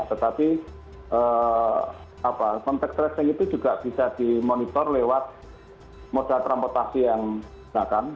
tetapi kontak tracing itu juga bisa dimonitor lewat moda transportasi yang digunakan